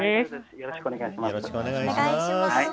よろしくお願いします。